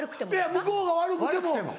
向こうが悪くても。